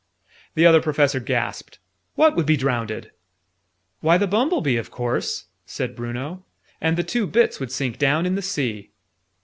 The Other Professor gasped. "What would be drownded?" "Why the bumble bee, of course!" said Bruno. "And the two bits would sink down in the sea!"